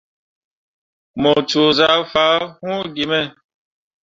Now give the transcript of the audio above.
Mu coo zah fah hun gi me.